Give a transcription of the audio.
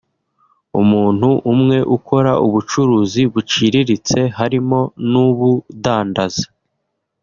umuntu umwe ukora ubucuruzi buciriritse harimo n’ubudandaza